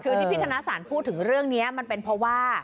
คือที่พี่ธนสารพูดถึงเรื่องนี้มันเป็นเพราะว่า